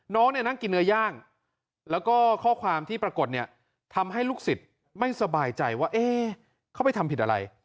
น้องเนี่ยนั่งกินเนื้อย่างแล้วก็ข้อความที่ปรากฏเนี่ยทำให้ลูกศิษย์ไม่สบายใจว่าเอ๊ะเขาไปทำผิดอะไร